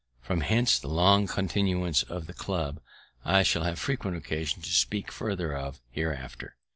From hence the long continuance of the club, which I shall have frequent occasion to speak further of hereafter.